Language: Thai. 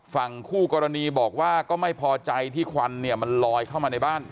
ฝั่งคู่กรณีบอกว่าก็ไม่พอใจที่ควันเนี่ยมันลอยเข้ามาในบ้าน